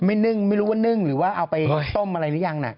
นึ่งไม่รู้ว่านึ่งหรือว่าเอาไปต้มอะไรหรือยัง